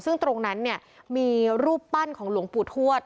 ซึ่งตรงนั้นเนี่ยมีรูปปั้นของหลวงปู่ทวด